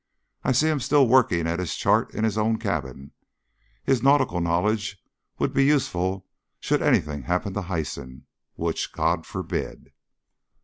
I see him still working at his chart in his own cabin. His nautical knowledge would be useful should anything happen to Hyson which God forbid!